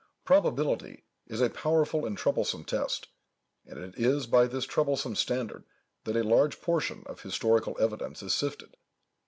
Probability is a powerful and troublesome test; and it is by this troublesome standard that a large portion of historical evidence is sifted.